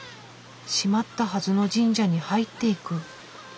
閉まったはずの神社に入っていく。